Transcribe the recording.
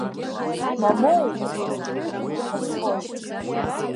Мамоу, ҳҩыџьегь иҳазхоит.